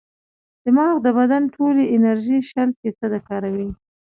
دماغ د بدن ټولې انرژي شل فیصده کاروي.